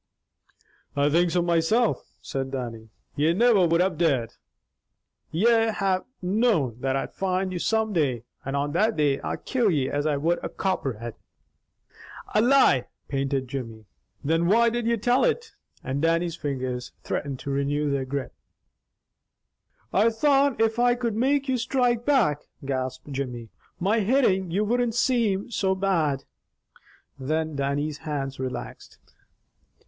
"I think so myself," said Dannie. "Ye never would have dared. Ye'd have known that I'd find out some day, and on that day, I'd kill ye as I would a copperhead." "A lie!" panted Jimmy. "Then WHY did ye tell it?" And Dannie's fingers threatened to renew their grip. "I thought if I could make you strike back," gasped Jimmy, "my hittin' you wouldn't same so bad." Then Dannie's hands relaxed.